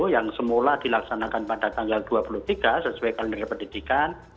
yang semula dilaksanakan pada tanggal dua puluh tiga sesuai kalender pendidikan